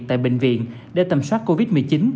tại bệnh viện để tầm soát covid một mươi chín